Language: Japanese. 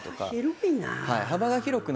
幅広いな。